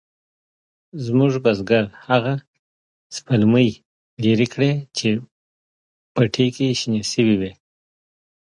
زموږ بزگر هغه سپلمۍ لرې کړې چې پټي کې شنې شوې وې.